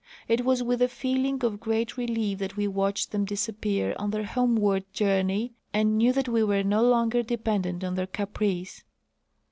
It was with a feeling of great relief that we watched them disappear on their homeward journey and knew that we were no longer dependent on their caprice.